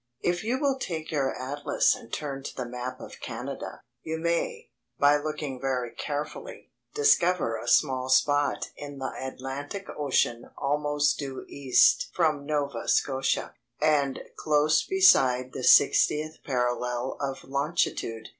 * If you will take your atlas and turn to the map of Canada, you may, by looking very carefully, discover a small spot in the Atlantic Ocean almost due east from Nova Scotia, and close beside the sixtieth parallel of longitude.